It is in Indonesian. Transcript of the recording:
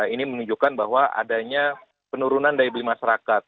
ini menunjukkan bahwa adanya penurunan daya beli masyarakat